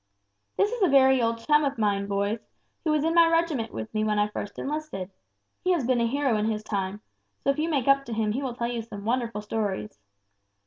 "This is a very old chum of mine, boys, who was in my regiment with me when I first enlisted; he has been a hero in his time, so if you make up to him he will tell you some wonderful stories.